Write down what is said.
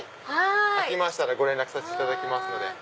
空きましたらご連絡させていただきますので。